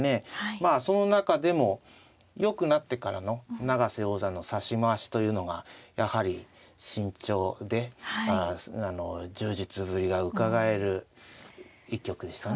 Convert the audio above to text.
まあその中でもよくなってからの永瀬王座の指し回しというのがやはり慎重で充実ぶりがうかがえる一局でしたね。